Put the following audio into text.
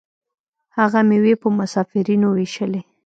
هغه میوې په مسافرینو ویشلې.